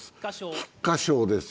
菊花賞です。